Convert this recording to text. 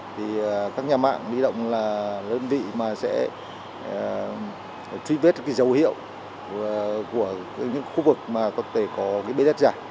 thì các nhà mạng bi động là đơn vị mà sẽ truy vết cái dấu hiệu của những khu vực mà có thể có cái bế đất giả